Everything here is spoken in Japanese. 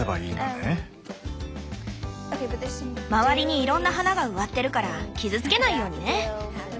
周りにいろんな花が植わってるから傷つけないようにね！